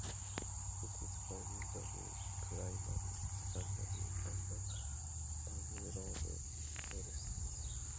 It is found in primary, secondary, and mangrove forests.